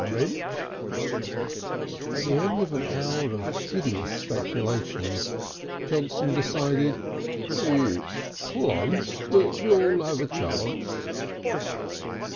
Rent?..." At the end of an hour of hideous speculations, Johnson decided: "It's close. But you'll have a chance."